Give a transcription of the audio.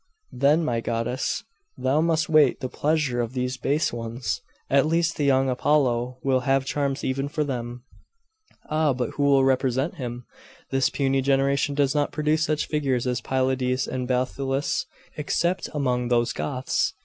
'Then, my goddess, thou must wait the pleasure of these base ones! At least the young Apollo will have charms even for them.' 'Ah, but who will represent him? This puny generation does not produce such figures as Pylades and Bathyllus except among those Goths.